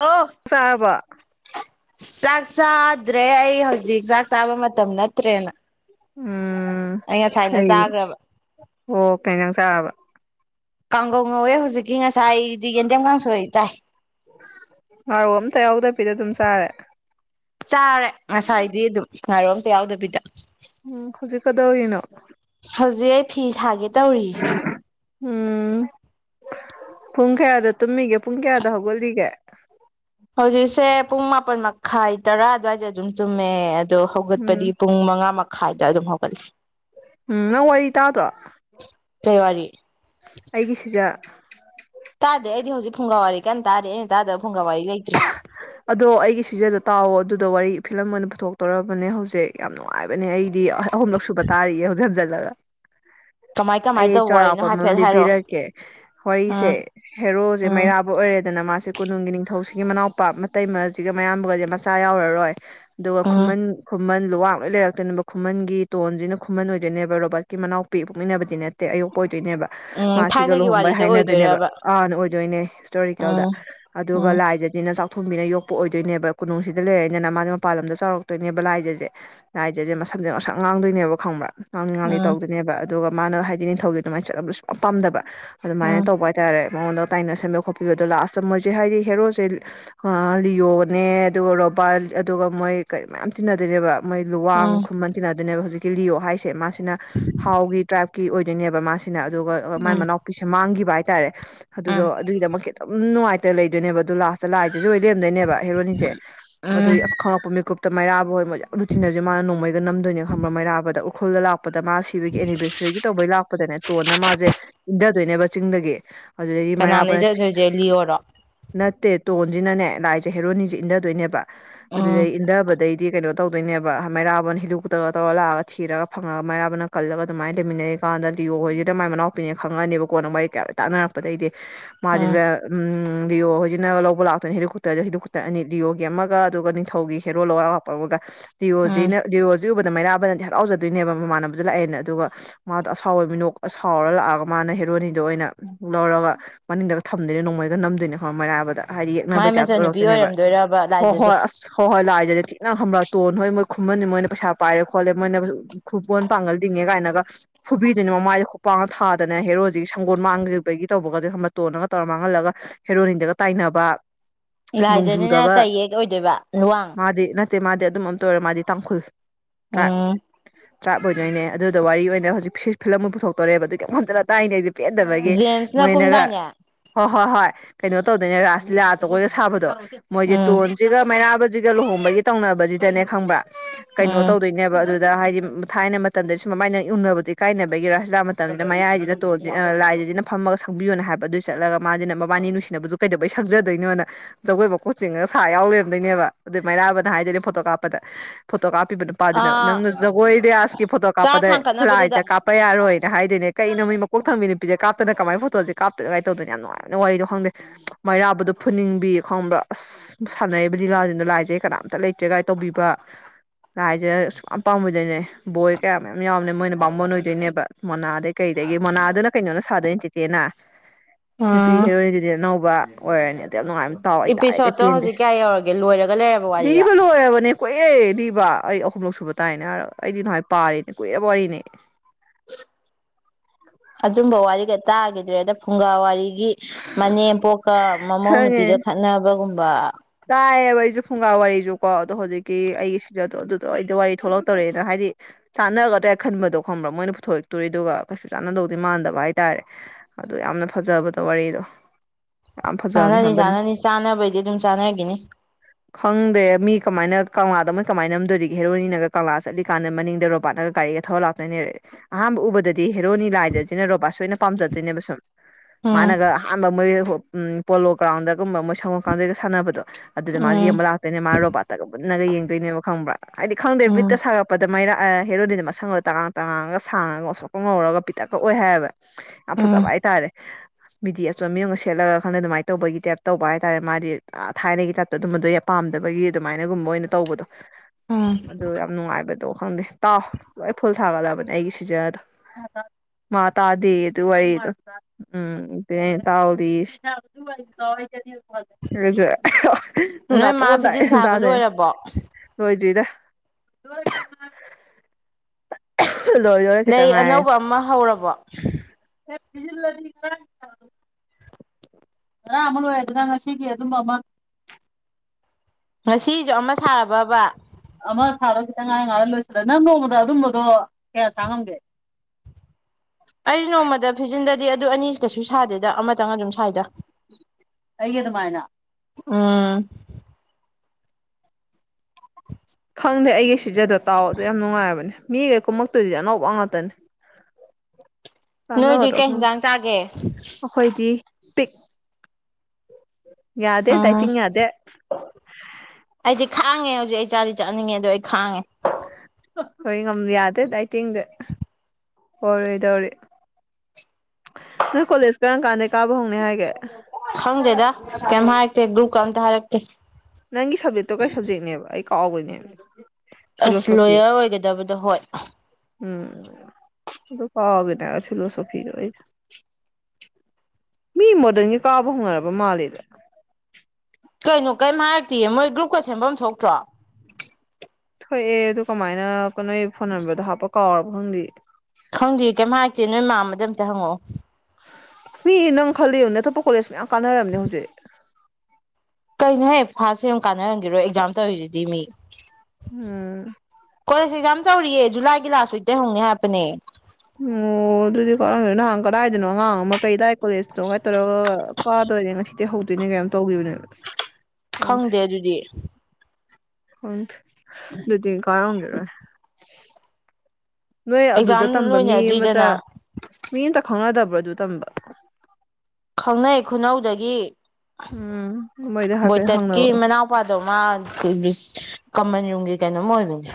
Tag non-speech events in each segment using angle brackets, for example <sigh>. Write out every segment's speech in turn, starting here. ꯑꯣ ꯆꯥꯔꯕ ꯆꯥꯛ ꯆꯥꯗ꯭ꯔꯦ ꯑꯩ ꯍꯧꯖꯤꯛ ꯆꯥꯛ ꯆꯥꯕ ꯃꯇꯝ ꯅꯠꯇ꯭ꯔꯦꯅ ꯎꯝ ꯑꯩ ꯉꯁꯥꯏꯅ ꯐꯩ ꯆꯥꯈ꯭ꯔꯕ ꯑꯣ ꯀꯖꯪ ꯆꯥꯔꯕ ꯀꯥꯡꯒꯧ ꯉꯧꯋꯦ ꯍꯧꯖꯤꯛꯀꯤ ꯉꯁꯥꯏꯗꯤ ꯌꯦꯟꯗꯦꯝ ꯀꯥꯡꯁꯣꯏ ꯇꯥꯏ ꯉꯥꯔꯣ ꯑꯝꯇ ꯌꯥꯎꯗꯕꯤꯗ ꯑꯗꯨꯝ ꯆꯥꯔꯦ ꯆꯥꯔꯦ ꯉꯁꯥꯏꯗꯤ ꯑꯗꯨꯝ ꯉꯥꯔꯣꯛ ꯑꯝꯇ ꯌꯥꯎꯗꯕꯤꯗ ꯀꯗꯧ ꯑꯣꯏꯅꯅꯣ ꯍꯧꯖꯤꯛ ꯑꯩ ꯐꯤ ꯁꯥꯒꯦ ꯇꯧꯔꯤꯌꯦ ꯎꯝ ꯄꯨꯡ ꯀꯌꯥꯗ ꯇꯨꯝꯃꯤꯒꯦ ꯄꯨꯡ ꯀꯌꯥꯗ ꯍꯧꯒꯠꯂꯤꯒꯦ ꯍꯧꯖꯤꯛꯁꯦ ꯄꯨꯡ ꯃꯥꯄꯜ ꯃꯈꯥꯏ ꯇꯔꯥ ꯑꯗꯨꯋꯥꯏꯗ ꯑꯗꯨꯝ ꯆꯨꯝꯃꯦꯦ ꯑꯗꯣ ꯍꯧꯒꯠꯄꯗꯤ ꯎꯝ ꯄꯨꯡ ꯃꯉꯥ ꯈꯥꯏꯗ ꯑꯗꯨꯝꯃꯣꯒ ꯎꯝ ꯅꯪ ꯋꯥꯔꯤ ꯇꯥꯗ꯭ꯔꯣ ꯀꯩꯋꯥꯗꯤ ꯎ <unintelligible> ꯇꯥꯗꯦ ꯑꯩꯗꯤ ꯍꯧꯖꯤꯛ ꯐꯨꯡꯒꯥ ꯋꯥꯔꯤ ꯀꯔꯤꯝ ꯇꯥꯔꯤꯦ ꯑꯩꯅ ꯇꯥꯗꯕ ꯐꯨꯡꯒꯥ ꯋꯥꯔꯤ ꯂꯩꯇ꯭ꯔꯦ ꯑꯗꯣ ꯑꯩꯒꯤ ꯁꯤꯖꯗꯣ ꯇꯥꯎꯑꯣ ꯑꯗꯨꯗ ꯋꯥꯔꯤ ꯐꯤꯂꯝ ꯑꯃ ꯑꯣꯏꯅ ꯄꯨꯊꯣꯛꯇꯧꯔꯕꯅꯦ ꯍꯧꯖꯤꯛ ꯌꯥꯝ ꯅꯨꯡꯉꯥꯏꯕꯅꯦ ꯑꯩ ꯗꯤ ꯑꯍꯨꯝꯂꯛ ꯁꯨꯕ ꯇꯥꯔꯤꯌꯦ ꯍꯧꯖꯤꯛ ꯍꯟꯖꯜꯂꯒ <unintelligible> ꯑꯩ ꯇꯧꯕ ꯋꯥꯔꯤꯅꯣ ꯆꯥꯎꯔꯥꯛꯄ ꯑꯃꯃꯝ ꯍꯥꯏꯐꯦꯠ ꯍꯥꯏꯔꯛꯑꯣ ꯂꯤꯕꯤꯔꯛꯀꯦ ꯋꯥꯔꯤꯁꯦ ꯎꯝ ꯍꯦꯔꯣꯁꯦ ꯎꯝ ꯃꯩꯔꯥꯕ ꯑꯣꯏꯔꯦꯗꯅ ꯃꯁꯤ ꯀꯅꯨꯡꯒꯤ ꯅꯤꯡꯊꯧꯁ ꯁꯤꯒꯤ ꯃꯅꯥꯎꯄꯥ ꯃꯇꯩꯁꯤꯒ ꯃꯌꯥꯝꯕꯒꯁꯦ ꯃꯆꯥ ꯌꯥꯎꯔꯔꯣꯏ ꯑꯗꯨꯒ ꯎꯝ ꯈꯨꯃꯟ ꯈꯨꯃꯟ ꯂ ꯋꯥꯡ ꯂꯣꯏ ꯂꯩꯔꯛꯇꯣꯏꯅꯦꯕ ꯈꯨꯃꯟꯒꯤ ꯇꯣꯟꯁꯤꯅ ꯈꯨꯃꯟ ꯑꯣꯏꯗꯣꯏꯅꯦꯕ ꯔꯣꯕꯥꯔꯠꯀꯤ ꯃꯅꯥꯎ ꯄꯦꯛ ꯄꯣꯛꯃꯤꯟꯅꯗꯤ ꯅꯠꯇꯦ ꯑꯌꯣꯛꯄ ꯎꯝ ꯃꯥꯁꯤꯒ ꯊꯥꯏꯅꯒꯤ ꯂꯨꯍꯣꯡꯕ ꯋꯥꯔꯤꯗ ꯍꯥꯏꯅꯗꯣꯏꯅꯦꯕ ꯑꯣꯏꯗꯣꯏꯔꯕ ꯑꯥ ꯑꯣꯏꯗꯣꯏꯅꯦ ꯍꯇꯣꯔꯤꯀꯦꯜꯗ ꯎꯝ ꯎꯝ ꯍꯥꯏꯦ ꯊꯨꯝꯕꯤꯅ ꯌꯣꯛꯄ ꯑꯣꯏꯗꯣꯏꯅꯦꯕ ꯀꯣꯅꯨꯡꯁꯤꯗ ꯂꯩꯔꯅꯤꯅ ꯃꯥꯗꯤ ꯃꯄꯥꯟ ꯂꯝꯗ ꯆꯥꯎꯔꯛꯇꯣꯏꯅꯦꯕ ꯂꯥꯏꯖꯁꯦ ꯂꯥꯏꯖꯁꯦ ꯃꯁ ꯁꯕꯖꯦꯛ ꯃꯁꯛ ꯉꯥꯡꯗꯣꯏꯅꯦꯕ ꯈꯪꯕ꯭ꯔꯥ ꯉꯥꯡ ꯉꯥꯡꯂꯤ ꯎꯝ ꯇꯧꯗꯣꯏꯅꯦꯕ ꯑꯗꯨꯒ ꯃꯥꯅ ꯍꯥꯏꯗꯤ ꯅꯤꯡꯊꯧꯒꯤ ꯑꯗꯨꯃꯥꯏꯅ ꯆꯠꯂꯕꯁꯨ ꯌꯥꯝ ꯄꯥꯝꯗꯕ ꯑꯗꯨꯃꯥꯏꯅ ꯇꯧꯕ ꯍꯥꯏꯇꯥꯔꯦ ꯃꯉꯣꯟꯗ ꯇꯥꯏꯅ ꯁꯦꯝꯕꯤ ꯈꯣꯠꯄꯤꯕꯗꯣ ꯂꯥꯁꯇ ꯃꯣꯏꯁꯦ ꯍꯥꯏꯗꯤ ꯍꯦꯔꯣꯁꯦ ꯑ ꯂꯤꯌꯣꯒꯅꯦ ꯑꯗꯨꯒ ꯔꯣꯕꯥꯔꯠ ꯑꯗꯨꯒ ꯃꯣꯏ ꯀꯩ ꯃꯌꯥꯝ ꯇꯤꯟꯅꯗꯣꯏꯅꯦꯕ ꯃꯣꯏ ꯂꯨꯋꯥꯡ ꯎꯝ ꯈꯨꯝꯟ ꯇꯤꯅ ꯑꯗꯨꯅꯦꯕ ꯍꯧꯖꯤꯛꯀꯤ ꯂꯤꯌꯣ ꯍꯥꯏꯁꯦ ꯃꯥꯁꯤꯅ ꯍꯥꯎꯒꯤ ꯇ꯭ꯔꯥꯏꯞꯀꯤ ꯑꯣꯏꯗꯣꯏꯅꯦꯕ ꯃꯥꯁꯤ ꯁꯤꯅ ꯑꯗꯨꯒ ꯃꯥꯏ ꯃꯅꯥꯎꯄꯤꯁꯦ ꯃꯥꯡꯈꯤꯕ ꯍꯥꯏꯇꯥꯔꯦ ꯎꯝ ꯑꯗꯨꯗꯣ ꯑꯗꯨꯒꯤꯗꯃꯛ ꯈꯤꯇ ꯅꯨꯡꯉꯥꯏꯇꯦ ꯂꯩꯗꯣꯏꯅꯦꯕ ꯑꯗꯨꯣ ꯂꯥꯁꯇ ꯂꯥꯛꯏꯁꯤꯁꯨꯣꯏꯔꯦꯝꯗꯣꯏꯅꯦꯕ ꯍꯦꯔꯣꯅꯤꯁꯦ ꯑꯗꯨ ꯎꯝ ꯑꯁ ꯈꯪꯉꯛꯄ ꯃꯤꯀꯨꯞ ꯇ ꯃꯩꯥ ꯑꯣꯏꯕ ꯃ ꯌꯥꯝ ꯂꯨꯤꯟꯅꯁꯦ ꯃꯥꯅ ꯅꯣꯡꯃꯩ ꯅꯝꯗꯣꯏ ꯈꯪꯕ꯭ꯔ ꯃꯔꯥꯕꯗ ꯎꯈ꯭ꯔꯨꯜꯗ ꯂꯥꯛꯄ ꯂꯄꯗ ꯃꯥ ꯁꯤꯕꯒꯤ ꯑꯦꯅꯤꯚꯔꯁꯔꯤꯒꯤ ꯇꯧꯕꯩ ꯂꯥꯛꯄꯗꯅꯦ ꯇꯣꯟꯅ ꯃꯥꯁꯦ ꯏꯟꯊꯗꯣꯏꯅꯦꯕ ꯆꯤꯡꯗꯒꯤ ꯑꯗꯨꯖꯤ ꯏ ꯃꯅꯥ ꯀꯅꯥꯅꯣ ꯄ ꯏꯖꯗꯣꯏꯁꯦ ꯂꯤꯌꯣꯔꯣ ꯅꯠꯇꯠ ꯇꯣꯟꯖꯤꯅꯅꯦ ꯂꯥꯏꯖꯦ ꯍꯦꯔꯣꯅꯤꯖꯦ ꯏꯟꯗꯗꯣꯏꯅꯦꯕ ꯎꯝ ꯑꯗꯨꯗꯩ ꯏꯟꯗꯕꯗꯩꯗꯤ ꯀꯩꯅꯣ ꯇꯧꯗꯣꯏꯅꯦꯕ ꯃꯩꯔꯥꯕꯟ ꯍꯤꯂꯤꯀꯨꯇꯔꯒ ꯇꯧꯔ ꯂꯥꯛꯑꯒ ꯊꯤꯔꯒ ꯐꯪꯉꯒ ꯃꯩꯔꯥꯕꯅ ꯀꯜꯂꯒ ꯑꯗꯨꯃꯥꯏꯅ ꯂꯩꯃꯤꯟꯅꯩ ꯀꯥꯟꯗ ꯂꯤꯂꫭꯍꫭꯏꯖꯤꯗ ꯃꯥꯏ ꯃꯅꯥꯎꯄꯤꯅꯦ ꯈꯪꯉꯛ ꯑꯅꯦꯕꯀꯣ ꯅꫭꯡꯝꯩ ꯀꯌꯥ ꯇꯥꯟꯅꯔꯛꯄꯗꯩꯗꯤ ꯎꯝ ꯃꯥꯖꯤꯗ ꯎꯝ ꯂꯤꯌꫭ ꯈꫭꯏꯒꯤꯅꯒ ꯂꯧ ꯂꯩꯕ ꯂꯥꯛꯇꯣꯏꯅꯦ ꯍꯦꯂꯤꯀꯨꯇꯔꯗ ꯍꯦꯂꯤꯀꯨꯇꯔ ꯑꯅꯤ ꯂꯤꯌꫭꯒꯤ ꯑꯃꯒ ꯑꯗꯨꯒ ꯅꯤꯡꯊꯧꯒꯤ ꯍꯦꯔꫭ ꯂꯧ ꯂꯥꯛꯄ ꯑꯃꯒ ꯎꯝ ꯗꯤꯑꯣꯖꯤꯅ ꯗꯤꯑꫭ ꯑꯗꯨ ꯎꯕꯗ ꯃꯩꯔꯥꯕꯅꯗꯤ ꯍꯔꯥꯎꯖꯗꯣꯏꯅꯦꯕ ꯃꯃꯥꯟꯅꯕꯗꯨ ꯂꯥꯛꯑꯦꯅ ꯑꯗꯨꯒ ꯃꯥꯗꯣ ꯑꯁꯥꯎꯕ ꯃꯤꯅꯣꯛ ꯁꯥꯎꯔꯒ ꯂꯥꯛꯑꯒ ꯃꯥ ꯃꯥꯅ ꯍꯦꯔꯣꯅꯤꯗ ꯑꯣꯏꯅ ꯂꯧꯔꯒ ꯃꯅꯤꯡꯗꯒ ꯊꯝꯗꯣꯏꯅꯦ ꯅꯣꯡꯃꯩꯒ ꯅꯝꯗꯣꯏꯅꯦ ꯍ ꯃꯩꯔꯥꯕꯗ ꯍꯥꯏꯗꯤ ꯃꯥꯏ ꯌꯦꯛꯅꯕꯩ ꯇꯥꯏꯞꯇ ꯃꯆꯟꯅꯨꯄꯤ ꯑꯣꯏꯔꯛꯇꯣꯏꯅꯦꯕ ꯑꯣꯏꯔꯝꯗꯣꯏꯔꯕ ꯍꯣꯏ ꯂꯥꯏꯖꯁꯦ ꯍꯣꯏ ꯑꯁ ꯍꯣꯏ ꯍꯣꯏ ꯂꯥꯏꯖꯗ ꯊꯤꯅ ꯍꯝꯕꯔꯥ ꯇꯣꯟ ꯍꯣꯏ ꯃꯣꯏ ꯈꯨꯨꯝꯃꯟꯅꯤ ꯃꯣꯏꯅ ꯄꯩꯁꯥ ꯄꯥꯏꯔꯦ ꯈꯣꯠꯂꯦ ꯃꯣꯏꯅ ꯈꯨꯕꯣꯟ ꯄꯥꯡꯒꯜꯂꯤꯡꯉꯦ ꯀꯥꯏꯅꯒ ꯐꯨꯕꯤꯗꫭꯏꯅꯦ ꯃꯃꯥꯏꯗ ꯈꯨꯄꯥꯛ ꯈꯨꯄꯥꯛꯅꯊꯥꯗꯅ ꯍꯦꯔꯣꯖꯤ ꯁꯪꯒꯣꯜ ꯃꯥꯡꯒꯔꯤꯕꯒꯤ ꯇꯧꯕꯒꯖꯦ ꯈꯪꯕꯔ ꯇꯣꯟꯅꯒ ꯇꯧꯔ ꯃꯥꯡꯍꯜꯂꯒ ꯍꯦꯔꫭꯏꯅꯤꯗꯒ ꯇꯥꯏꯅꯕ ꯆꯥꯛ ꯂꯥꯏꯖꯁꯤꯅ ꯅꯣꯡꯖꯨꯗꯒ ꯀꯩ ꯌꯦꯛ ꯑꯣꯏꯗꯣꯏꯕ ꯂꯨꯋꯥꯡ ꯃꯥꯗꯤ ꯅꯠ ꯇꯦ ꯃꯥꯗꯤ ꯑꯗꯨꯝꯕ ꯑꯝꯇ ꯑꯣꯏꯔꫭꯏ ꯃꯥꯗꯤ ꯇꯥꯡꯈꯨꯜ ꯎꯝ ꯇ꯭ꯔꯥꯞ ꯑꯣꯏꯗꯣꯏꯅꯦ ꯑꯗꯨꯗꫭ ꯋꯥꯔꯤ ꯑꯣꯏꯅ ꯍꯧꯖꯤꯛ ꯐꯤꯂꯝ ꯑꯃ ꯄꯨꯊꯣꯛꯇꫭꯔꯦꯕ ꯑꯗꯨꯒꯤ ꯑꯃꯨꯛ ꯍꯟꯖꯤꯜꯂꯒ ꯇꯥꯏꯅꯦ ꯑꯩꯗꯤ ꯄꯦꯟꯗꯕꯒꯤ ꯖꯦꯝꯁꯅ ꯃꯣꯏꯅꯒ ꯀꯨꯝꯗꯥꯏꯅꯦ ꯍꯣ ꯍꯣꯏ ꯍꯣꯏ ꯀꯩꯅꯣ ꯇꯧꯗꯣꯏꯅꯦ ꯔꯥꯁ ꯂꯤꯂꯥ ꯆ ꯀꯣꯏꯒ ꯁꯥꯕꯗꯣ ꯃꯣꯏꯗꯤ ꯎꯝ ꯇꯣꯟꯁꯤꯒ ꯃꯩꯔꯥꯕꯁꯤꯒ ꯂꯨꯍꯣꯡꯕꯒ ꯇꯧꯅꯕꯁꯤꯗꯅꯦ ꯈꯪꯕ꯭ꯔ ꯀꯩꯅꯣ ꯎꯝ ꯇꯧꯗꯣꯏꯅꯦꯕ ꯑꯗꯨ ꯍꯥꯏꯗꯤ ꯊꯥꯏꯅ ꯃꯇꯝꯗ ꯁꯨꯃꯥꯏꯅ ꯎꯅꯕꯗꯤ ꯀꯥꯏꯅꯕꯒꯤꯔꯥ ꯁꯤꯂꯥꯛ ꯃꯇꯝꯗ ꯃꯌꯥꯏꯁꯤꯗꯥꯏ ꯅ ꯐꯝꯃꯒ ꯁꯪꯕꯤꯌꯣꯅ ꯍꯥꯏꯕ ꯑꯗꯨꯏ ꯆꯠꯂꯒ ꯃꯥꯁꯤꯅ ꯃꯕꯥꯅꯤ ꯅꯨꯡꯁꯤꯅꯕꯗꯨꯁꯨ ꯀꯩꯗꯧꯕꯩ ꯈꯪꯖꯗꯣꯏꯅꯦꯣꯅ ꯖꯒꯣꯏꯕ ꯀꯣꯆꯤꯡꯉꯒ ꯁꯥ ꯌꯥꯎ ꯂꯩꯔꯝꯗꯣꯏꯅꯦꯕ ꯑꯗꯨꯗꯩ ꯃꯩꯔꯥꯕꯅ ꯍꯥꯏꯗꯣꯏꯅꯦ ꯐꯣꯇꯣ ꯀꯥꯞꯄꯗ ꯐꯣꯇꯣ ꯀꯥꯞꯄꯤꯕ ꯅꯨꯄꯥꯗꯨꯅ ꯑꯥ ꯅꯪꯅ ꯖꯒꯣꯏ ꯔꯤꯌꯥꯁꯀꯤ ꯐꯣꯇꯣ ꯆꯥꯛ ꯀꯥꯞꯄꯗ ꯊꯥꯡꯀꯠꯅꯕꯗꯨꯗ ꯐꯥꯏꯠꯇ ꯀꯥꯞꯄ ꯌꯥꯔꯣꯏꯅ ꯍꯥꯏꯗꯣꯏꯅꯦ ꯀ ꯑꯩꯅ ꯃꯩ ꯃꯀꯣꯛ ꯊꯪꯕꯤ ꯅꯨꯄꯤꯖꯦ ꯀꯥꯞꯇꯅ ꯀꯃꯥꯏ ꯐꯣꯇꯣꯖꯦ ꯀꯥꯞꯇ ꯑꯗꯨꯃꯥꯏ ꯇꯧꯗꫭꯏꯅꯦ ꯌꯥꯝ ꯅꯨꯡꯉꯥꯏꯕꯅꯦ ꯋꯥꯔꯤꯗꯣ ꯈꯪꯗꯦ ꯃꯩꯔꯥꯕꯗꯣ ꯐꯨꯅꯤꯡꯕꯤ ꯈꯪꯕ꯭ꯔꯥ ꯑꯁ ꯁꯥꯟꯅꯩꯕ ꯂꯤꯂꯥꯖꯤꯡꯗꯣ ꯂꯥꯏꯖꯦ ꯀꯅꯥꯝꯇ ꯂꯩꯇ꯭ꯔꯦꯒꯥꯏ ꯇꯧꯗꯨꯏꯕ ꯂꯥꯏꯖ ꯁꯨꯛ ꯄꯥꯝ ꯄꯥꯝꯃꯣꯏꯗꯨꯏꯅꯦ ꯕꯣꯏ ꯀꯌꯥ ꯃꯌꯥꯝ ꯌꯥꯎꯕꯅꯦ ꯃꯣꯏꯅ ꯕꯥꯃꯣꯟ ꯑꯣꯏꯗꯣꯏꯅꯦꯕ ꯃꫭꯅꯗꯩ ꯀꯩ ꯀꯩꯗꯒꯤ ꯃꯣꯅꯥꯗꯨꯅ ꯀꯩꯅꯣꯅ ꯁꯥꯗꯣꯏꯅ ꯇꯦꯇꯦꯅ ꯅꯨꯄꯤ ꯎꯝ ꯍꯦꯔꯣꯏꯅꯤꯗꯨꯗꯤ ꯑꯅꯧꯕ ꯑꯣꯏꯔꯅꯤ ꯑꯗꯨ ꯌꯥꯝ ꯅꯨꯡꯉꯥꯏꯕꯅꯦ ꯇꯥꯎ ꯑꯩ ꯇꯥꯔꯤꯒꯩ ꯏꯄꯤꯁꯣꯠꯇꯣ ꯄꯦꯟꯗꯦ ꯍꯧꯖꯤꯛ ꯀꯌꯥ ꯌꯧꯔꯒꯦ ꯂꯣꯏꯔꯒ ꯂꯩꯔꯕ ꯋꯥꯔꯤꯔ ꯂꯤꯕ ꯂꫭꯏꯔꯕꯅꯦ ꯀꯨꯏꯔꯦꯂꯤ ꯕ ꯑꯩ ꯑꯍꯨꯝꯂꯛ ꯁꯨꯕ ꯇꯥꯏꯅꯦ ꯍꯥꯏꯔꯒ ꯑꯩꯗꯤ ꯅꯍꯥꯋꯥꯏ ꯄꯥꯔꯤꯅꯦ ꯀꯨꯏꯔꯕ ꯋꯥꯔꯤꯅꯤ ꯑꯗꯨꯝꯕ ꯋꯥꯔꯤꯒ ꯇꯥꯒꯤꯗ꯭ꯔꯦꯗ ꯐꯨꯡꯒꯥ ꯋꯥꯔꯤ ꯒꯤ ꯃꯅꯦꯝꯄꯣꯛꯀ ꯃꯃꯧ ꯅꯨꯄꯤꯒ ꯈꯪꯉꯦ ꯈꯠꯅꯕꯒꯨꯝꯕ ꯇꯥꯏꯌꯦꯕ ꯑꯩꯖꯨ ꯐꯨꯡꯒꯥ ꯋꯥꯔꯤꯖꯨ ꯀꯣ ꯑꯗꯣ ꯍꯧꯖꯤꯛꯀꯤ ꯑꯩꯒꯤ ꯁꯤꯖꯗꯣ ꯑꯗꯨꯗꯣ ꯑꯩꯗꯤ ꯋꯥꯔꯤ ꯊꯣꯔꯛꯇꫭꯔꯦꯅ ꯍꯥꯏꯗꯤ ꯆꯥꯟꯅꯔꯒꯗ꯭ꯔ ꯍꯦꯛ ꯈꯟꯕꯗꯣ ꯈꯪꯕ꯭ꯔꯥ ꯃꯣꯏꯅ ꯄꯨꯊꯣꯔꯛꯇꯣꯏꯗꯨꯒ ꯀꯩꯁꯨ ꯆꯥꯟꯅꯗꯧꯗꯤ ꯃꯥꯟꯗꯕ ꯍꯥꯏꯇꯥꯔꯦ ꯑꯗꯨ ꯌꯥꯝꯅ ꯐꯖꯕꯗꯣ ꯋꯥꯔꯤꯗꯣ ꯌꯥꯝ ꯐꯖꯕꯅꯤ ꯆꯥꯟꯅꯅꯤ ꯍꯥꯏꯕ ꯆꯥꯟꯅꯅꯤ ꯆꯥꯟꯅꯕꯩꯗꯤ ꯑꯗꯨꯝ ꯆꯥꯟ ꯈꯪꯗꯦ ꯃꯤ ꯀꯃꯥꯏꯅ ꯀꯪꯂꯥꯗ ꯃꯣꯏ ꯀꯃꯥꯏ ꯅꯝꯗꯨꯔꯤꯒꯦ ꯍꯦꯔꯣꯅꯤꯅꯒ ꯀꯪꯂꯥ ꯆꯠꯂꯤꯀꯥꯟꯗ ꯃꯅꯤꯡꯗꯒ ꯄꯥꯠꯅꯔ ꯒꯥꯔꯤꯒ ꯊꯧꯔ ꯂꯥꯛꯇꫭꯏꯅꯦ ꯑꯍꯥꯟ ꯎꯕꯗꯗꯤ ꯍꯦꯔꯣꯅꯤ ꯂꯥꯏꯖꯖꯤꯅ ꯔꯣꯕꯥꯁ ꯍꫭꯏꯅ ꯄꯥꯝꯖꯗꯣꯏꯅꯦꯕ ꯁꯨꯝ ꯎꯝ ꯃꯥꯅꯒ ꯑꯍꯥꯟꯕ ꯃꯣꯏ ꯎꯝ ꯄꯣꯂꯣ ꯒ꯭ꯔꯥꯎꯟꯗꯒ ꯃ ꯃꯁꯥꯋꫭꯡ ꯀꯥꯡꯖꯩꯒ ꯁꯥꯟꯅꯕꯗꯣ ꯑꯗꯨꯗ ꯃꯥꯖꯦ ꯎꯝ ꯌꯦꯡꯕ ꯂꯥꯛꯇꯣꯏꯅꯦ ꯃꯥ ꯔꯣꯕꯥꯠꯇꯒ ꯃꯨꯟꯅꯒ ꯌꯦꯡꯗꯣꯏꯅꯦꯕ ꯈꯪꯕ꯭ꯔꯥ ꯍꯥꯏꯗꯤ ꯈꯪꯗꯦ ꯎꯝ ꯕꯤꯠꯇ ꯁꯥꯒꯠꯄꯗ ꯃꯥꯏꯔꯥ ꯑꯩ ꯍꯦꯔꯣꯅꯤꯗꫭ ꯃꯁꯝꯒ ꯇꯉꯥꯡ ꯇꯉꯥꯡꯉꯒ ꯁꯥꯡꯉꯒ ꯉꯣꯁꯣꯛꯀ ꯉꯧꯔꯒ ꯄꯤꯇꯛꯀ ꯑꯣꯏ ꯍꯥꯏꯌꯦꯕ ꯌꯥꯝ ꯎꯝ ꯐꯖꯕ‌ ꯍꯥꯏꯇꯥꯔꯦ ꯃꯦꯗꯤ ꯑꯆꯣꯟꯕꯤ ꯑꯃꯒ ꯁꯦꯠꯂꯒ ꯈꯪꯗꯦ ꯑꯗꯨꯃꯥꯏ ꯇꯧꯕꯒꯤ ꯇꯥꯏꯞ ꯇꯧꯕ ꯍꯥꯏ ꯇꯥꯔꯦ ꯃꯥꯗꯤ ꯑ ꯊꯥꯏꯅꯒꯤ ꯇꯥꯏꯞꯇ ꯑꯗꯨꯝꯕꯗꯣ ꯌꯥꯝ ꯄꯥꯝꯗꯕꯒꯤ ꯑꯗꯨꯃꯥꯏꯅꯒꯨꯝꯕ ꯑꯣꯏꯅ ꯇꯧꯕꯗꯣ ꯎꯝ ꯑꯗꯨ ꯌꯥꯝ ꯅꯨꯡꯉꯥꯏꯕꯅꯦ ꯇꯧ ꯈꯪꯗꯦ ꯇꯥꯎ ꯂꯣꯏ ꯐꯨꯜ ꯊꯥꯒꯠꯂꯕꯅꯦ ꯑꯩꯒꯤ ꯁꯤꯖꯗꯣ ꯃꯥ ꯇꯥꯗꯦꯌꯦ ꯑꯗꯨꯏ ꯋꯥꯔꯤꯗꫭ ꯎꯝ ꯑꯗꯨꯅꯦ ꯇꯧꯔꯤ ꯗꯤ <unintelligible> ꯑꯗꯨ ꯅꯣꯏ ꯃꯥ ꯇꯨꯅꯇꫭꯟꯗꯥꯏ ꯐꯤꯖꯤꯟ ꯁꯥꯕ ꯇꯥꯗꯦ ꯂꯣꯏꯔꯕꯣ ꯂꯣꯏꯗ꯭ꯔꯤꯗ ꯑꯍꯨ‌ ꯑꯍꯨ ꯂꯣꯏꯗꫭꯔꯦ ꯈꯤꯇꯪ ꯂꯩ ꯉꯥꯏꯔꯦ ꯑꯅꯧꯕ ꯑꯃ ꯍꯧꯔꯕꯣ ꯑꯃ ꯑꯣꯏꯗ ꯊ ꯑꯗꯨꯝꯝꯕꯃ ꯉꯁꯤꯁꯨ ꯑꯃ ꯁꯥꯔꯕꯕꯥ ꯇꯉꯥꯏ ꯉꯥ ꯂꯣꯏꯁꯤꯜꯂꯦ ꯅꯪ ꯅꯣꯡꯃꯗ ꯑꯗꯨꯝꯕꯗꯣ ꯀꯌꯥ ꯊꯥꯡꯉꯝꯒꯦ ꯑꯩ ꯅꯣꯡꯃꯗ ꯐꯤꯖꯤꯟꯗꯗꯤ ꯑꯗꯨ ꯑꯅꯤ ꯀꯩꯁꯨ ꯁꯥꯗꯦꯗ ꯑꯃꯇꯪ ꯑꯗꯨꯝ ꯁꯥꯏꯗ ꯑꯩꯒ ꯑꯗꯨꯃꯥꯏꯅ ꯑꯥ ꯈꯪꯗꯦ ꯑꯩꯒꯤ ꯁꯤꯖꯗꯣ ꯇꯥꯎꯑꯣꯗꯣ ꯌꯥꯝ ꯅꯨꯡꯉꯥꯏꯔꯕꯅꯦ ꯃꯤꯒꯩ ꯀꯨꯝꯃꯛꯇꯨꯗꯤ ꯑꯅꯧꯕ ꯉꯥꯛꯇꯅꯦ ꯅꯣꯏꯗꯤ ꯆꯥꯟꯅꯒꯗ꯭ꯔꯣ ꯀꯩ ꯈꯪ ꯌꯦꯟꯁꯥꯡ ꯆꯥꯒꯦ ꯄꯤ ꯌꯥꯗꯦ ꯎꯝ ꯇꯗꯥꯥꯏꯇꯤꯡ ꯌꯥꯗꯦ ꯑꯩꯗꯤ ꯈꯥꯡꯉꯦ ꯍꯧꯖꯤꯛ ꯑꯩ ꯆꯥꯗꯤ ꯆꯠꯅꯤꯡꯉꯦ ꯑꯗꯣ ꯑꯩ ꯈꯥꯡꯉꯦ ꯍꯣꯏ ꯉ ꯌꯥꯗꯦ ꯑꯩꯥꯏ ꯊꯤꯡꯗ ꯍꯔꯣꯏꯗꯧꯔ ꯅꯪ ꯀꯣꯂꯦꯖ ꯀꯔꯝ ꯀꯥꯟꯗ ꯈꯪꯗꯦꯗ ꯀꯩꯝ ꯍꯥꯏꯔꯛꯇꯦ ꯒ꯭ꯔꯨꯞꯀ ꯑꯝꯇ ꯍꯥꯏꯔꯛꯇꯦ ꯅꯪꯒꯤ ꯁꯞꯖꯦꯛꯇꯣ ꯀꯔꯤ ꯁꯞꯖꯦꯛꯅꯦꯕ ꯑꯩ ꯀꯥꯎꯕꯣꯏꯅꯦꯕ ꯑꯁ ꯂꯣꯌꯔ ꯑꯣꯏꯒꯗꯕꯗꯣ ꯍꯣꯏ ꯎꯝ ꯑꯗꯨ ꯀꯥꯎꯒꯔꯦꯗ ꯐꯤꯂꫭꯁꫭꯐꯤꯗꫭ ꯑꯩ ꯃꯤ ꯃꯣꯗ‍꯭ꯔꯟꯒꯤ ꯀꯥꯕ ꯍꯧꯅꯔꯕ ꯃꯥꯜꯂꯤꯗ ꯀꯩꯅꯣ ꯀꯩꯝ ꯍꯥꯏꯔꯛꯇꯤꯌꯦ ꯃꯣꯏ ꯒ꯭ꯔꯨꯞꯀ ꯁꯦꯝꯕꯝ ꯊꯣꯛꯇ꯭ꯔꯣ ꯊꯣꯛꯑꯦ ꯑꯗꯨ ꯀꯃꯥꯏꯅ ꯀꯩ ꯅꫭꯏ ꯐꯣꯟ ꯅꯝꯕꯔꯗꯣ ꯍꯥꯞꯄ ꯀꯥꯎꯔꯕ ꯈꯪꯗꯦ ꯈꯪꯗꯦ ꯀꯩꯝ ꯍꯥꯏꯇꯦ ꯅꯣꯏ ꯃꯥꯟꯕꯗ ꯑꯝꯇ ꯍꯪꯉꯛꯑꯣ ꯃꯤ ꯅꯪ ꯈꯜꯂꯤꯌꯨ ꯅꯇꯣꯞꯄ ꯀꯣꯂꯦꯖ ꯃꯌꯥꯝ ꯀꯥꯟꯅꯔꯝꯅꯦ ꯍꯧꯖꯤꯛ ꯀꯩꯅꯣꯍꯌꯦ ꯐꯥꯔꯁ ꯌꯥꯝ ꯀꯥꯟꯅꯔꯝꯒꯦꯔꯣ ꯑꯦꯛꯖꯥꯝ ꯇꯧꯔꯤꯗꯨꯗꯤ ꯃꯤ ꯎꯝ ꯀꯣꯂꯦꯖ ꯑꯦꯛꯖꯥꯝ ꯇꯧꯔꯤꯌꯦ ꯖꯨꯂꯥꯏꯒꯤ ꯂꯥꯁꯁꯨ ꯏꯇꯩ ꯍꯧꯅꯦ ꯍꯥꯏꯞꯄꯅꯦ ꯑꯣ ꯑꯗꯨꯗꯤ ꯀꯔꯝꯗꯅꯣꯍꯥꯡ ꯀꯗꯥꯏꯗꯅꯣ ꯑꯉꯥꯡ ꯑꯃ ꯀꯩꯗ ꯍꯥꯏꯀꯣꯇꯣꯥꯏ ꯇꯧꯔꯒ ꯇꯗꯣꯏꯔꯅꯦ ꯉꯁꯤꯗꯤꯤ ꯍꯧꯗꯣꯏꯅꯦ ꯀꯩꯅꯝ ꯇꯧꯈꯤꯕꯅꯦꯕꯦ ꯈꯪꯗꯦ ꯑꯗꯨꯗꯤ ꯍ ꯑꯗꯨꯗꯤ ꯀꯔꯒꯦ ꯅꯣꯏ ꯑꯗꯨꯗ ꯑꯦꯛꯖꯥꯝ ꯇꯝꯕ ꯃꯤ ꯑꯃꯇ ꯂꯣꯏꯅꯗ꯭ꯔꯤꯗꯅ ꯃꯤ ꯑꯃꯇ ꯈꯪꯅꯗꯕ ꯑꯗꯨ ꯇꯝꯕ ꯊꯧꯅꯩ ꯈꯨꯅꯧꯗꯒꯤ ꯎꯝ ꯃꯣꯏꯗ ꯍꯥꯏꯐꯦꯠ ꯕꯣꯏꯇꯠꯀꯤ ꯍꯪꯅꯕ ꯃꯅꯥꯎꯄꯥꯗꯣꯃ ꯀꯃꯟ ꯌꯨꯝꯒꯤ ꯀꯩꯅꯣ ꯃ ꯑꯣꯏꯕꯅꯦ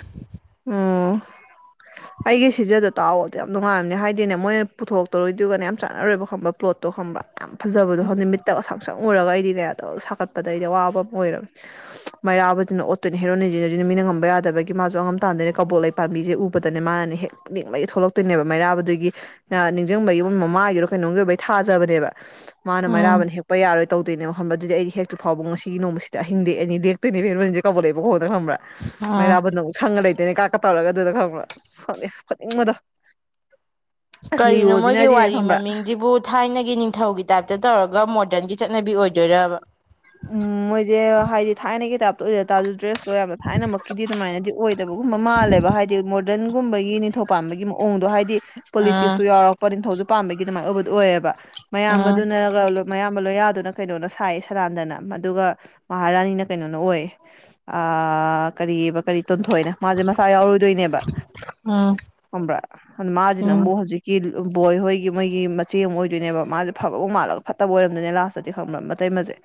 ꯑꯣ <unintelligible> ꯑꯩꯒꯤ ꯁꯤꯖꯗꯣ ꯇꯥꯛꯑꯣꯗꯤꯣ ꯌꯥꯝ ꯅꯨꯡꯉꯥꯏꯔꯝꯅꯦ ꯍꯥꯏꯗꯤꯅꯦ ꯃꯣꯏꯅ ꯄꯨꯊꯣꯔꯛꯇꯔꯣꯏꯗꯨꯒꯅ ꯌꯥꯝꯅ ꯆꯥꯟꯅꯔꯣꯏꯕ ꯈꯪꯕ ꯄ꯭ꯂꯣꯠꯇ ꯐꯣꯠꯇꯣ ꯈꯪꯕ꯭ꯔ ꯌꯥꯝ ꯐꯖꯗꯣꯅꯤꯃꯤꯠꯇ ꯑꯁꯥꯝ ꯁꯪꯉꯨꯔꯒ ꯑꯩꯗꯤ ꯌꯥꯇꯧ ꯁꯥꯒꯠꯄꯗ ꯑꯩꯗꯤ ꯑꯋꯥꯕ ꯑꯃ ꯑꯣꯏꯔꯕꯝꯅꯤ ꯃꯩꯔꯥꯕꯗꯨꯅ ꯑꯣꯠꯇꯣꯏꯅꯤ ꯍꯦꯔꯣꯅꯖꯤ ꯑꯗꯨꯅ ꯃꯤꯅ ꯉꯝꯕ ꯌꯥꯗꯕꯒꯤ ꯃꯥꯁꯨ ꯑꯉꯝ ꯗꯅꯦ ꯀꯕꯣꯜ ꯂꯩ ꯄꯥꯝꯕꯤꯁꯦ ꯎꯕꯗꯅꯦ ꯃꯥꯅꯅꯦ ꯍꯦꯛ ꯅꯤꯡꯕꯩ ꯊꯣꯛꯂꯛꯇꯣꯏꯅꯦꯕ ꯃꯩꯔꯥꯕꯗꯨꯒꯤ ꯅꯤꯡꯁꯤꯡꯕꯒꯤ ꯃꯃ ꯃꯥꯒꯤꯔꯣ ꯀꯩꯅꯣꯝꯒꯤ ꯑꯣꯏꯕꯩ ꯊꯥꯖꯕꯅꯦꯕ ꯃꯥꯅ ꯎꯝ ꯃꯩꯔꯥꯕꯅ ꯍꯦꯛꯄ ꯌꯥꯔꯣꯏ ꯇꯧꯗꯣꯏꯅꯦꯕ ꯍꯝꯕ ꯑꯗꯨꯗꯤ ꯑꯩꯗꯤ ꯍꯛꯇꯨ ꯐꯥꯎꯕ ꯉꯁꯤꯒꯤ ꯅꯣꯡꯁꯤꯗ ꯍꯤꯡꯦꯛꯑꯅꯤꯦꯛꯇꯣꯏꯅꯦꯕ ꯍꯔꯣꯏꯟꯁꯦ ꯀꯧꯕꯥꯎ ꯂꯩꯕ ꯍꯣꯏ ꯈꯪꯕ꯭ꯔꯥ ꯎꯝ ꯃꯩꯔꯥꯕꯨꯅ ꯑꯃꯨꯛ ꯁꯪꯉ ꯂꯩꯇ ꯇꯦꯅꯦ ꯀꯥꯔꯀ ꯇꯧꯔꯒ ꯑꯗꯨꯗ ꯈꯪꯕ꯭ꯔꯥ ꯁꯣꯅꯤꯌꯥꯅꯤꯡꯕꯗꯣ ꯀꯔꯤꯅꯣ ꯃꯣꯏꯒꯤ ꯋꯥꯔꯤ ꯃꯃꯤꯡꯁꯤꯕꯨ ꯊꯥꯏꯅꯒꯤ ꯅꯤꯡꯊꯧꯒꯤ ꯇꯥꯏꯞꯇ ꯇꯧꯔꯒ ꯃꯣꯗꯔꯟꯒꯤ ꯆꯠꯅꯕꯤ ꯑꯣꯏꯗꯣꯏꯔꯕ ꯎꯝ ꯃꯣꯏꯁꯦ ꯍꯥꯏꯗꯤ ꯊꯥꯏꯅ ꯀꯈꯤꯇꯕꯇ ꯑꯣꯏ ꯗꯨ ꯗ꯭ꯔꯦꯁꯇꯣ ꯌꯥꯝꯅ ꯊꯥꯏꯅꯃꯛꯀꯤꯗꯤ ꯑꯗꯨꯃꯥꯏꯅꯗꯤ ꯑꯣꯏꯗꯕꯒꯨꯝꯕ ꯃꯥꯜꯂꯦꯕ ꯍꯥꯏꯗꯤ ꯗ ꯒꯨꯝꯕꯒꯤ ꯅꯤꯡꯊꯧ ꯄꯥꯟꯕꯒꯤ ꯃꯑꯣꯡꯗꯣ ꯍꯥꯏꯗꯤ ꯎꯝ ꯄꯣꯂꯤꯇꯤꯛꯁꯨ ꯌꯥꯎꯔꯛꯄ ꯅꯤꯡꯊꯧꯖꯤꯛ ꯑꯄꯥꯝꯕꯒꯤ ꯑꯗꯨꯃꯥꯏꯅ ꯑꯣꯏꯕꯗꯨꯣ ꯑꯣꯏꯌꯦꯕ ꯎꯝ ꯃꯌꯥꯝꯕꯗꯨꯅ ꯃꯌꯥꯝꯕ ꯂꯣꯌꯥꯗꯨꯅ ꯀꯩꯅꯣꯅ ꯁꯥꯏꯌꯦ ꯁꯂꯟꯗꯅ ꯑꯗꯨꯒ ꯃꯍꯥꯔꯥꯅꯤꯅ ꯀꯩꯅꯣꯅ ꯑꯣꯏ ꯀꯔꯤ ꯀꯔꯤ ꯇꯨꯝꯊꯣꯏꯅꯦ ꯃꯥꯁꯦ ꯃꯁꯥ ꯌꯥꯎꯔꯣꯏꯗꯣꯏꯅꯦꯕ ꯎꯝ ꯑꯣꯝꯕ꯭ꯔꯥ ꯃꯥꯖꯤꯅ ꯑꯃꯨꯛ ꯍꯧꯖꯤꯛꯀꯤ ꯕꯣꯏ ꯍꯣꯏꯒꯤ ꯃꯣꯏꯒꯤ ꯃꯆꯦ ꯑꯃ ꯑꯣꯏꯗꯣꯏꯅꯦꯕ ꯃꯥꯁꯦ ꯐꯕꯕꯨ ꯃꯥꯜꯂꯒ ꯐꯠꯇꯕ ꯑꯣꯏꯔꯝꯗꯣꯏꯅꯦ ꯂꯥꯁꯇꯗꯤ ꯈꯪꯕ꯭ꯔ ꯃꯇꯩ ꯃꯁꯦ꯫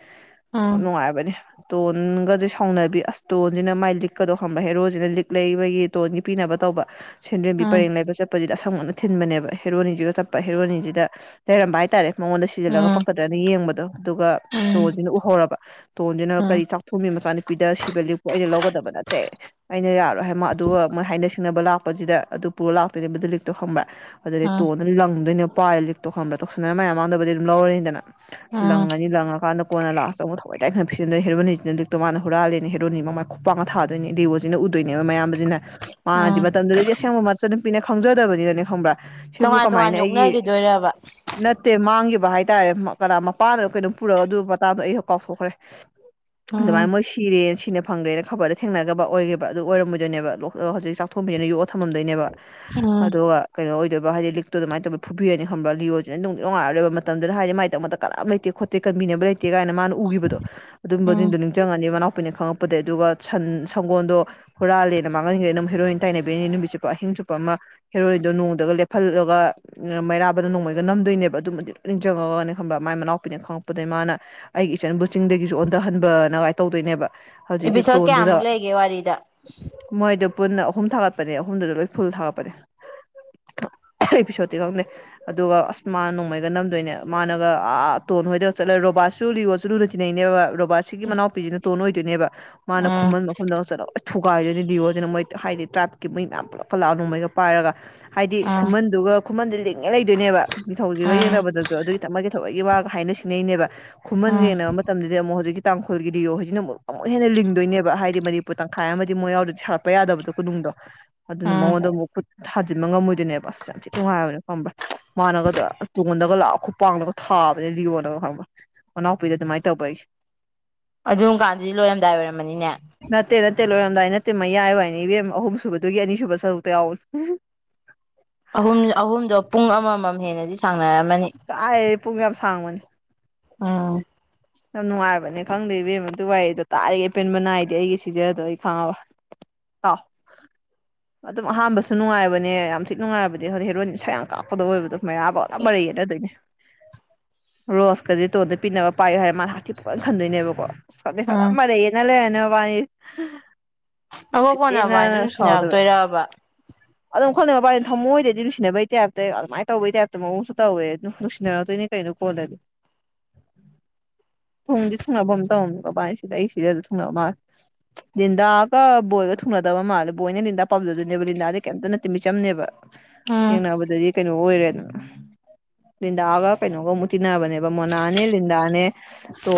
ꯎꯝ ꯌꯥꯝ ꯅꯨꯡꯉꯥꯏꯕꯅꯦ꯫ ꯇꯣꯟꯒꯁꯦ ꯁꯥꯎꯅꯕꯤ ꯑꯁꯇꯣꯟꯁꯤꯅ ꯃꯥꯏ ꯂꯤꯛꯀꯗꯧ ꯈꯪꯕ꯭ꯔꯥ ꯍꯦꯔꯣꯁꯤꯅ ꯂꯤꯛ ꯂꯩꯕꯒꯤ ꯇꯣꯟꯒꯤ ꯄꯤꯅꯕ ꯇꯧ ꯇꯧꯕ ꯁꯦꯟꯗ꯭ꯔꯦꯝꯕꯤ ꯎꯝ ꯎꯝ ꯄꯔꯦꯡ ꯂꯩꯕ ꯆꯠꯄꯁꯤꯗ ꯑꯁꯪꯕꯅ ꯊꯤꯟꯕꯅꯦꯕ ꯍꯦꯔꯣꯅꯤꯁꯤꯒ ꯆꯠꯄ ꯍꯦꯔꯣꯅꯤꯁꯤꯗ ꯂꯩꯔꯝꯕ ꯍꯥꯏꯇꯥꯔꯦ꯫ ꯃꯉꯣꯟꯗ ꯁꯤꯖꯤꯜꯂꯒ ꯎꯝ ꯄꯛꯀꯗ꯭ꯔꯅ ꯌꯦꯡꯕꯗꯣ ꯑꯗꯨꯒ ꯎꯝ ꯇꯣꯁꯤꯅ ꯎꯍꯧꯔꯕ꯫ ꯇꯣꯟꯁꯤꯅ ꯎꯝ ꯀꯔꯤ ꯆꯥꯛꯊꯣꯃꯤ ꯃꯆꯥꯅꯨꯄꯤꯗ ꯁꯤꯕ ꯂꯤꯞꯄꯨ ꯑꯩꯅ ꯂꯧꯒꯗꯕ ꯅꯠꯇꯦ ꯑꯩꯅ ꯌꯥꯔꯣꯏ ꯍꯥꯏꯃ ꯑꯗꯨꯒ ꯃꯣꯏ ꯍꯥꯏꯅ ꯁꯤꯡꯅꯕ ꯂꯥꯛꯄꯁꯤꯗ ꯑꯗꯨ ꯄꯨꯔ ꯂꯥꯛꯇꯣꯏꯅꯦ ꯃꯗꯨ ꯂꯤꯛꯇꯣ ꯈꯝꯕꯕ꯭ꯔꯥ ꯑꯗꯨꯗꯩ ꯎꯝ ꯇꯣꯟꯗꯨꯅ ꯂꯪꯗꯣꯏꯅꯦ꯫ ꯄꯥꯏ ꯂꯤꯛ ꯇꯣꯛ ꯈꯟꯕ꯭ꯔꯥ ꯇꯧꯁꯤꯟꯗꯅ ꯃꯌꯥꯝ ꯃꯥꯡꯗꯕꯨꯗꯤ ꯑꯗꯨꯝ ꯂꯧꯔꯅꯤꯗꯅ ꯎꯝ ꯂꯪꯉꯅꯤ ꯂꯪꯉꯀꯥꯟꯗ ꯀꯣꯟꯅ ꯂꯥꯁ ꯀꯣꯏꯏ ꯇꯥꯏ ꯐꯅ ꯐꯤꯖꯗ ꯍꯦꯣꯅꯤꯁꯤꯅ ꯑꯗꯨꯗꯛꯇ ꯃꯥꯅ ꯍꯨꯔꯥꯜꯂꯦ ꯍꯦꯔꯣꯅꯤ ꯃꯥꯏ ꯈꯨꯄꯥꯛꯄꯒ ꯊꯥꯗꯣꯏꯅꯦ ꯗꯦꯕꯣꯁꯤꯅ ꯎꯗꯣꯏꯅꯦꯕ ꯃꯌꯥꯝꯕꯁꯤꯅ꯫ ꯃꯥꯗꯤ ꯎꯝ ꯃꯇꯝꯗꯨꯗꯗꯤ ꯑꯁꯦꯡꯕ ꯃꯆ ꯅꯨꯄꯤꯅ ꯈꯪꯖꯗꯕꯅꯤꯅꯅꯦ ꯈꯪꯕ꯭ꯔꯥ꯫ ꯁꯤꯕꯨ ꯇꯣꯉꯥꯟ ꯀꯃꯥꯏꯅ ꯇꯣꯉꯥꯟ ꯑꯩꯒꯤ ꯌꯣꯛꯅꯈꯤꯗꯣꯏꯔꯕ ꯅꯠꯇꯦ ꯃꯥꯡꯈꯤꯕ꯫ ꯍꯥꯏꯇꯥꯔꯦ ꯃꯄ ꯀꯩꯅꯣ ꯄꯨꯔꯒ ꯑꯗꯨꯒꯤ ꯃꯇꯗꯣ ꯑꯩꯁꯨ ꯀꯥꯎꯊꯣꯛꯈ꯭ꯔꯦ꯫ ꯎꯝ ꯑꯗꯨꯃꯥꯏꯅ ꯃꯣꯏ ꯁꯤꯔꯤꯦ ꯁꯤꯅ ꯐꯪꯗ꯭ꯔꯦꯅ ꯈꯕꯔꯗ ꯊꯦꯡꯅꯕ ꯑꯣꯏꯒꯦꯕꯥ ꯑꯗꯨ ꯑꯣꯏꯔꯝꯃꯗꯣꯏꯅꯦꯕ ꯍꯧꯖꯤꯛ ꯆꯥꯛꯊꯣꯡꯝꯕꯤꯁꯤꯅ ꯌꯣꯛꯑ ꯊꯃꯝꯗꯣꯏꯅꯦꯕ ꯎꯝ ꯑꯗꯣ ꯀꯩꯅꯣ ꯍꯥꯏꯗꯤ ꯂꯤꯛꯇꯣ ꯑꯗꯨꯃꯥꯏ ꯇꯧꯕ ꯐꯨꯕꯤꯔ ꯈ ꯂꯤꯑꯣꯅꯉꯥꯏꯔꯣꯏꯕ ꯃꯇꯝꯗꯨꯅ ꯍꯥꯏꯗꯤ ꯃꯥꯏ ꯇ ꯀꯝ ꯂꯩꯇꯦ ꯈꯣꯠꯇꯦ ꯕꯤꯅꯕ ꯂꯩꯇꯦ ꯀꯥꯏꯅ ꯃꯥꯅ ꯎꯒꯤꯕꯗꯣ ꯎꯝ ꯑꯗꯨꯝꯕꯗꯨꯗꯣ ꯅꯤꯡꯁꯪꯑꯅꯤ ꯃꯅꯥꯎ ꯄꯤꯅꯦ ꯈꯪꯉꯛꯄꯗꯒꯤꯩ ꯑꯗꯨꯒ ꯁꯟ ꯁꯪꯒꯣꯜꯗꯣ ꯍꯨꯔꯥꯜꯂꯦꯅ ꯃꯥꯡꯍꯟꯒ꯭ꯔꯦꯅ ꯑꯗꯨꯝ ꯍꯦꯔꯣꯏꯟ ꯇꯥꯏꯅꯕꯤꯅꯤ ꯅꯨꯃꯤꯠ ꯆꯨꯞꯄ ꯑꯍꯤꯡ ꯆꯨꯞꯄ ꯑꯃ ꯍꯦꯔꯣꯏꯟꯗꯣ ꯅꯣꯡꯃꯗꯒ ꯂꯦꯞꯍꯜꯂꯒ ꯃꯩꯔꯥꯕꯗ ꯅꯣꯡꯃꯩꯒ ꯅꯝꯗꯣꯏꯅꯦꯕ ꯑꯗꯨꯃꯗꯤ ꯂ ꯅꯤꯡꯖ ꯈꯪꯉꯛꯒ ꯈꯪꯕ ꯃꯥꯏ ꯃꯅꯥꯎꯄꯤꯅꯦ ꯈꯪꯉꯛꯄꯗꯒꯤꯩ ꯃꯥꯅ ꯑꯩꯒꯤ ꯏꯆꯟ ꯕꯨ ꯆꯤꯡꯗꯒꯤꯁꯨ ꯑꯣꯟꯊꯍꯟꯕꯅ ꯀꯥꯏ ꯇꯧꯗꯣꯏꯅꯦꯕ꯫ ꯍꯧꯖꯤꯛꯀꯤ ꯑꯦꯄꯤꯁꯣꯠ ꯀꯌꯥꯃꯨꯛ ꯇꯣꯟꯗꯨꯗ ꯂꯩꯒꯦ ꯋꯥꯔꯤꯗ ꯃꯣꯏꯗꫬ ꯄꯨꯟꯅ ꯑꯍꯨꯝ ꯊꯥꯒꯠꯄꯅꯦ ꯑꯍꯨꯝꯗꯨꯗ ꯂꯣꯏ ꯐꯨꯜ ꯊꯥꯒꯠꯄꯅꯦ꯫ ꯑꯦꯄꯤꯁꯣꯠꯇꯤ ꯈꯪꯗꯦ ꯑꯗꯨꯒ ꯑꯁ ꯃꯥꯅ ꯅꯣꯡꯃꯩꯒ ꯅꯝꯗꯣꯏꯅꯦ ꯃꯥꯅꯒ ꯑꯥ ꯇꯨ ꯕꯣꯟ ꯍꯣꯏꯗ ꯆꯠꯂ ꯔꯣꯕꯥ ꯆꯨ ꯂꯤꯂꯤꯒꯣ ꯆꯨꯔꯨꯅ ꯇꯤꯟꯅꯩꯅꯦꯕ ꯔꯣꯕꯥꯔꯠꯁꯤꯒꯤ ꯃꯅꯥꯎꯄꯤꯁꯤꯅ ꯇꯣꯟꯅ ꯑꯣꯏꯗꯣꯏꯅꯦꯕ ꯃꯥꯅ ꯎꯝ ꯈꯨꯃꯟ ꯃꯈꯐꯝꯟꯗ ꯆꯠꯂ ꯊꯨꯒꯥꯏꯗꯣꯏꯅꯤ ꯂꯤꯌꯣꯁꯤꯅ ꯃꯣꯏ ꯍꯥꯏꯗꯤ ꯇ꯭ꯔꯥꯏꯞꯀꯤ ꯃꯩ ꯃꯌꯥꯝ ꯄꯨꯂꯞꯀ ꯂꯥꯛꯑꯅꯨ ꯃꯩꯒ ꯄꯥꯏꯔꯒ꯫ ꯍꯥꯏꯗꯤ ꯎꯝ ꯈꯨꯃꯟꯗꯨꯒ ꯈꯨꯃꯟꯗꯨ ꯂꯤꯡꯉꯦ ꯂꯩꯗꯣꯏꯅꯦꯕ ꯅꯤꯡꯊꯧꯗꯨꯒ ꯎꯝ ꯌꯦꯡꯅꯕꯗꯁꯨ ꯑꯗꯨꯒꯤ ꯊꯃꯛ ꯑꯩꯈꯣꯏꯒꯤ ꯋꯥꯒ ꯍꯥꯏꯅ ꯁꯤꯡꯅꯩꯅꯦꯕ ꯈꯨꯃꯟꯒ ꯎꯝ ꯌꯦꯡꯅꯕ ꯃꯇꯝꯗꯗꯤ ꯑꯃꯨꯛ ꯍꯧꯖꯤꯛꯀꯤ ꯇꯥꯡꯈꯨꯜꯒꯤ ꯗꯤꯌꯣ ꯍꯥꯏꯁꯤꯅ ꯑꯃꯨꯛ ꯑꯃꯨꯛ ꯍꯦꯟꯅ ꯂꯤꯡꯗꯣꯏꯅꯦꯕ ꯍꯥꯏꯗꯤ ꯃꯅꯤꯄꯨꯔ ꯇꯪꯈꯥꯏ ꯑꯃꯗꯤ ꯃꯣꯏ ꯌꯥꯎꯗ ꯁꯥꯒꯠꯄ ꯌꯥꯗꯕꯗꯣ ꯈꯨꯗꯨꯡ ꯗꯣ ꯑꯗꯨꯅ ꯎꯝ ꯃꯉꯣꯟꯗ ꯑꯃꯨꯛ ꯈꯨꯠ ꯊꯥꯖꯤꯟꯕ ꯉꯝꯃꯣꯏꯗꯣꯏꯅꯦꯕ ꯑꯁ ꯌꯥꯝ ꯊꯤꯠ ꯅꯨꯡꯉꯥꯏꯕꯅꯦ ꯈꯪꯕ꯭ꯔꯥ꯫ ꯃꯥꯅꯒꯗ ꯇꯨꯡꯉꯣꯟꯗꯒ ꯂꯥꯛ ꯈꯨꯄꯂꯒ ꯊꯥꯕꯅꯦ ꯂꯤꯌꯣꯅꯒ ꯈꯪꯕ꯫ ꯃꯅꯥꯎꯄꯤꯗ ꯑꯗꯨꯃꯥꯏꯅ ꯇꯧꯔꯛꯄꯩ꯫ ꯑꯗꯨꯝ ꯀꯥꯟꯗꯗꯤ ꯂꯣꯏꯔꯝꯗꯥꯏ ꯑꯣꯏꯔꯝꯃꯅꯤꯅꯦ꯫ ꯆꯔꯝꯗꯥꯏ ꯅꯠꯇꯦ ꯃꯌꯥꯏ ꯑꯣꯏ ꯍꯥꯏꯅꯦ ꯏꯕꯦꯝ ꯑꯍꯨꯝꯁꯨꯨꯕꯗꯨꯒꯤ ꯑꯅꯤꯁꯨꯕ ꯁꯔꯨꯛꯇ ꯌꯥꯎꯕꯅꯤ꯫ ꯑꯍꯨꯝ ꯑꯍꯨꯝꯗꯣ ꯄꯨꯡ ꯑꯃꯃꯝ ꯍꯦꯟꯅꯗꯤ ꯁꯥꯡ ꯀꯥꯏ ꯄꯨꯡ ꯌꯥꯝ ꯁꯥꯡꯕꯅꯤ꯫ ꯑꯥ꯫ ꯌꯥꯝ ꯅꯨꯡꯉꯥꯏꯕꯅꯦ ꯈꯪꯗꯦ ꯏꯕꯦꯝ ꯃꯗꯨ ꯋꯥꯔꯤꯗꯣ ꯇꯥꯔꯤꯒ ꯑꯄꯦꯟꯕ ꯅꯥꯏꯗꯤ ꯑꯩꯒꯤ ꯁꯤꯖꯗꯣ ꯑꯩ ꯈꯪꯑꯕ꯫ ꯑꯥꯎ꯫ ꯑꯗꯨꯝ ꯑꯍꯥꯟꯕꯁꯨ ꯅꯨꯡꯉꯥꯏꯕꯅꯦ ꯌꯥꯝ ꯊꯤꯛ ꯅꯨꯡꯉꯥꯏꯕꯅꯦ ꯍ ꯍꯦꯔꯣꯏꯅꯤꯟ ꯁꯁꯥ ꯌꯥꯝ ꯀꯥꯞꯄꯗ ꯑꯣꯏꯕꯗꯣ꯫ ꯃꯩꯔꯥꯐꯥꯎꯗ ꯃꯔꯩ ꯌꯦꯠꯅꯗꯣꯏꯅꯦ ꯔꯣꯁꯀꯁ ꯇꯣꯟꯗ ꯄꯤꯅꯕ ꯄꯥꯏꯌꯨ ꯍꯥꯏꯔ ꯃꯥ ꯍꯥꯇꯤ ꯄꯅ ꯈꯟꯗꯣꯏꯅꯦꯕꯀꯣ ꯐꯖ ꯎꯝ ꯃꯔꯩ ꯌꯦꯠꯅ ꯂꯩꯔꯅꯦ ꯃꯕꯥꯅꯤ꯫ ꯑꯕꯣꯛ ꯀꯣꯟꯅꯕ ꯎꯁꯤꯠꯇꯦꯅ ꯍꯥꯏꯗꯣ ꯑꯗꯨꯝ ꯁꯥꯎꯗꯕ꯫ ꯁꯤꯟꯅꯔꯛꯇꯣꯏꯔꯕ ꯑꯗꯨꯝ ꯈꯪꯂ ꯃꯄꯥꯥꯏ ꯊꯝꯃꯣꯏꯗꯩꯗꯤ ꯅꯨꯡꯁꯤꯅꯕꯩ ꯇꯥꯏꯞꯇ ꯑꯗꯨꯃꯥꯏ ꯇꯧꯕꯩ ꯇꯥꯏꯞꯇ ꯃꯑꯣꯡꯁꯨ ꯇꯧꯋꯦ ꯑꯗꯨꯝ ꯅꯨꯡꯁꯤꯅꯔꯛꯇꯣꯏꯅꯤ꯫ ꯅꯩ ꯀꯩꯩꯅꫭ ꯀꯣꯜꯂ <unintelligible> ꯊꯨꯡꯗꯤ ꯊꯨꯡꯅꯕ ꯑꯃ ꯇꯧꯔꯅꯦ ꯕꯕꯥꯅꯤ ꯁꯤꯗ ꯑꯩ ꯁꯤꯗ ꯑꯗꯨ ꯊꯨꯡꯅꯕ ꯃꯥꯜꯦ ꯟꯗꯥꯒ ꯕꯣꯏꯒ ꯊꯨꯡ ꯅ ꯄꯥꯝꯖꯅꯦꯕꯗꯥ ꯀꯤꯃꯤꯆꯝꯅꯦꯕ ꯎꯝ ꯌꯦꯡꯅꯕꯗꯤꯩꯅ ꯀꯩꯅꯣ ꯑꯣꯏꯔꯦꯗꯅ ꯂꯤꯟꯗꯥꯒ ꯀꯩꯅꯣꯒ ꯑꯃꯨꯛ ꯇꯤꯟꯅꯕꯅꯦꯕ ꯃꯣꯅꯥꯅꯦ ꯂꯤꯟꯗꯥꯅꯦ ꯇꯣ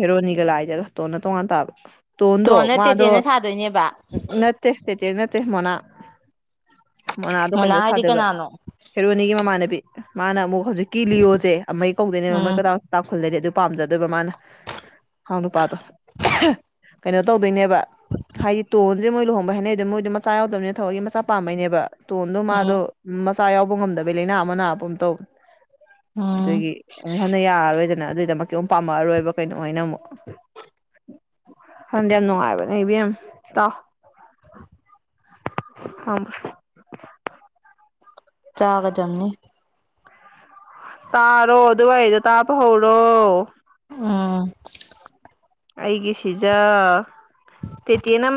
ꯍꯦꯔꯣꯅꯤꯒ ꯂꯥꯏꯗꯒ ꯇꯣꯟꯅ ꯇꯣꯡꯉꯥꯟ ꯇꯥꯕ ꯇꯣꯗꯣ ꯇꯣꯟꯅ ꯃꯥꯗꯣ ꯇꯦꯇꯦꯅ ꯁꯥꯗꯣꯏꯅꯦꯕ ꯅꯠꯇꯦ ꯏꯦ ꯅꯠꯇꯦ ꯃꯣꯅꯥ ꯃꯣꯅꯥꯗꯣ ꯃꯣꯅꯥ ꯀꯩꯅꯣ ꯍꯥꯏꯗꯤ ꯊꯥꯗꯕ ꯀꯅꯥꯅꯣ ꯍꯦꯔꯣꯅꯤꯒꯤ ꯃꯃꯥꯟꯅꯕꯤ ꯃꯥꯅ ꯑꯃꯨꯛ ꯍꯧꯖꯤꯛꯀꯤ ꯂꯤꯑꯣꯁꯦ ꯑꯃ ꯀꯧꯗꯣꯏꯅꯦꯕ ꯃꯣꯏ ꯎꯝ ꯀꯗꯥꯏ ꯇꯥꯎꯞꯈꯂꯗꯤ ꯑꯗꯨ ꯄꯥꯝꯖꯗꯣꯏꯕ ꯃꯥꯅ ꯑꯥꯎ ꯅꯨꯄꯥꯗꯣ ꯀꯩꯅꯣ ꯇꯧꯗꯣꯏꯅꯦꯕ ꯍꯥꯏꯗꯤ ꯇꯣꯟꯁꯦ ꯃꯣꯏ ꯂꯨꯍꯣꯡꯕ ꯍꯥꯏꯅꯩ ꯑꯗꯨ ꯃꯣꯏꯗꯣ ꯃꯆꯥ ꯌꯥꯎꯗꯕꯅꯤꯅ ꯊꯕꯛꯀꯤ ꯃꯆꯥ ꯄꯥꯝꯕꯩꯅꯦꯕ ꯇꯣꯟꯗꯣ ꯎꯝ ꯃꯥꯗꯣ ꯃꯆꯥ ꯌꯥꯎꯕ ꯉꯝꯗꯕꯩ ꯂꯩꯥꯏꯅꯥ ꯑꯃ ꯅꯥꯄ ꯑꯃ ꯇꯧ ꯎꯝ ꯑꯗꯨꯒꯤ ꯑꯃꯨꯛ ꯍꯟꯅ ꯌꯥꯔꯔꯣꯏꯗꯅ ꯑꯗꯨꯏꯗ ꯀꯣꯝ ꯄꯥꯝꯃꯛꯑꯔꯣꯏꯕ ꯀꯩꯅꯣ ꯍꯥꯏꯅ ꯑꯃꯨꯛ ꯍꯟꯗꯤ ꯌꯥꯝ ꯅꯅꯨꯡꯉꯥꯏꯕ ꯅꯕ ꯑꯦꯝ ꯇꯥꯎ ꯍ ꯆꯥꯒꯖꯝꯅꯤ ꯇꯥꯔꯣ ꯑꯗꯨꯋꯥꯏꯗꯣ ꯇꯥꯕ ꯍꯧꯔꯣ ꯎꯝ꯫ ꯑꯩꯒꯤ ꯁꯤꯖ ꯇꯦꯇꯦꯅ ꯃꯥ